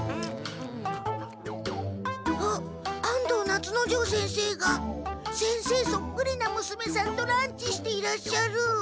あっ安藤夏之丞先生が先生そっくりな娘さんとランチしていらっしゃる。